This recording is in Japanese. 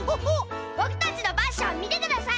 ぼくたちのパッションみてください！